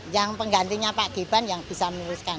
yang penggantinya pak gibran yang bisa meneruskan